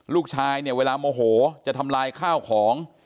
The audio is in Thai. ลูกชายเนี่ยเวลาโมโหจะทำลายข้าวของ